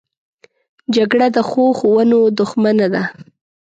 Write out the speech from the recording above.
جګړه د ښو ښوونو دښمنه ده